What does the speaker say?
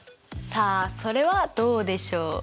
さあそれはどうでしょう。